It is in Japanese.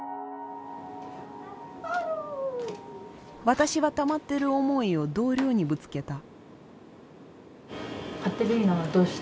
私はたまっている思いを同僚にぶつけた。